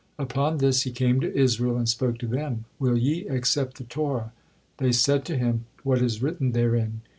Upon this He came to Israel and spoke to them, "Will ye accept the Torah?" They said to Him, "What is written therein?"